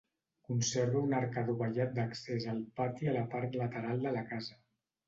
Conserva un arc adovellat d'accés al pati a la part lateral de la casa.